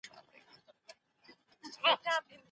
سازمانونو به کارګرانو ته د کار حق ورکوی.